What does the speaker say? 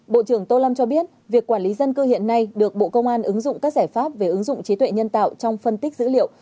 bộ trưởng tô lâm cho biết việc quản lý dân cư hiện nay được bộ công an ứng dụng các giải pháp về ứng dụng trí tuệ nhân tạo trong phân tích dữ liệu